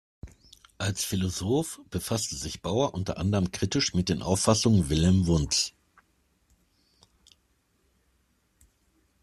Als Philosoph befasste sich Bauer unter anderem kritisch mit den Auffassungen Wilhelm Wundts.